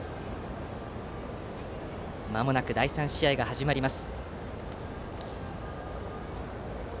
まもなく第３試合が始まります。